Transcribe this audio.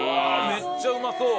めっちゃうまそう！